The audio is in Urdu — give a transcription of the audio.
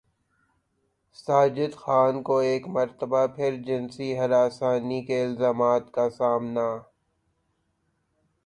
ساجد خان کو ایک مرتبہ پھر جنسی ہراسانی کے الزامات کا سامنا